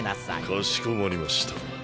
かしこまりました。